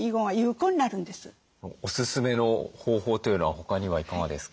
おすすめの方法というのは他にはいかがですか？